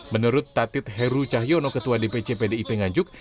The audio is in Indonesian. menurut tatit heru cahyono ketua dpc pdip nganjuk